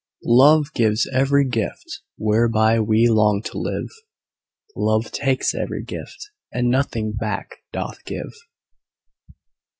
Love gives every gift whereby we long to live "Love takes every gift, and nothing back doth give."